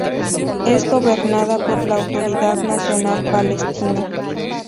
Es gobernada por la Autoridad Nacional Palestina.